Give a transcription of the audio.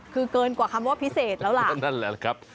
คือเกินกว่าคำว่าพิเศษแล้วล่ะก็นั่นแหละครับ